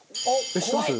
知ってます？